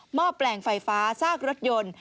ห้อแปลงไฟฟ้าซากรถยนต์